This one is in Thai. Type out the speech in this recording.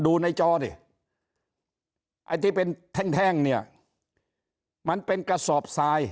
ดูในจอดิไอ้ที่เป็นแท่งแท่งเนี่ยมันเป็นกระสอบทราย